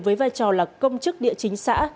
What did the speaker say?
với vai trò là công chức địa chính xã